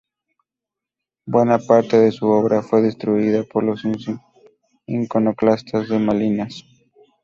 Buena parte de su obra fue destruida por los iconoclastas de Malinas.